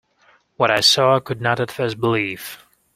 What I saw I could not at first believe.